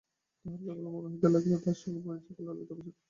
তাহার কেবলই মনে হইতে লাগিল তাহার সঙ্গে পরিচয়কে ললিতা অভিশাপ ও ধিক্কার দিতেছে।